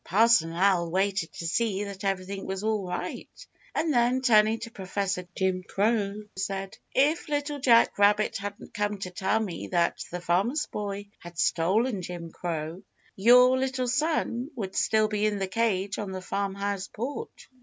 Parson Owl waited to see that everything was all right, and then, turning to Professor Jim Crow, said: "If Little Jack Rabbit hadn't come to tell me that the Farmer's Boy had stolen Jimmy Crow, your little son would still be in the cage on the farmhouse porch."